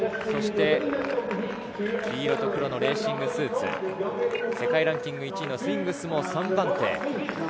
そして黄色と黒のレーシングスーツ、世界ランキング１位のスウィングスも３番手。